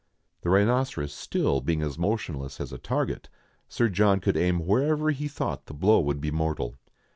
The rhinoceros still being as motionless as a target, Sir John could aim wherever he thought the blow would be mortal.